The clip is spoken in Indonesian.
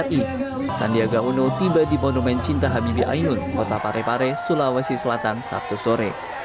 di sandi sandiaga uno tiba di monumen cinta habibi ayun kota parepare sulawesi selatan sabtu sore